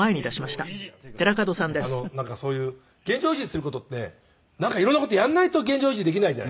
なんかそういう現状維持する事って色んな事やんないと現状維持できないじゃないですか。